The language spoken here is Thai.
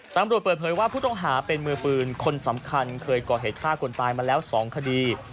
ตำรวจเปิดเผยว่าผู้ต้องหาเป็นมือปืนคนสำคัญเคยก่อเหตุฆ่าคนตายมาแล้ว๒คดี